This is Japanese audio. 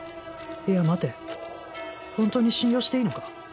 いや待て本当に信用していいのか？